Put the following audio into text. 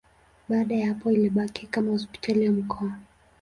Baada ya hapo ilibaki kama hospitali ya mkoa.